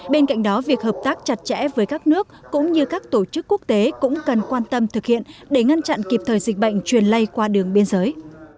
bên cạnh đó việc hợp tác chặt chẽ với các nước cũng như các tổ chức quốc tế cũng cần quan tâm thực hiện để ngăn chặn kịp thời dịch bệnh truyền lây qua đường biên giới